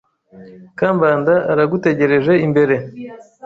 Kambanda aragutegereje imbere.